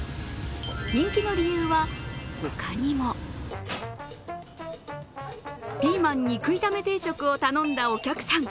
人気の理由は他にも。ピーマン肉炒め定食を頼んだお客さん。